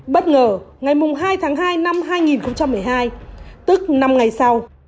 bất ngờ ngày hai tháng hai năm hai nghìn một mươi hai tức năm ngày sau